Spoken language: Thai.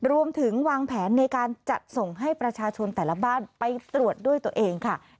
รวมถึงวางแผนในการจัดส่งให้ประชาชนแต่ละบ้านไปตรวจด้วยตัวเองค่ะ